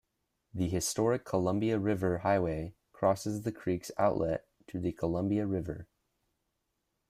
The Historic Columbia River Highway crosses the creek's outlet to the Columbia River.